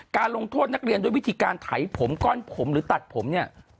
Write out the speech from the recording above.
การลงโทษนักเรียนด้วยวิธีการไถผมก้อนผมหรือตัดผมเนี่ย